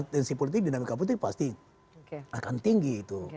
tensi politik di rangka politik pasti akan tinggi itu